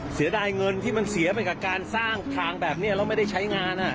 เสียดายเงินที่มันเสียไปกับการสร้างทางแบบนี้แล้วไม่ได้ใช้งาน